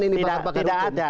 tidak tidak ada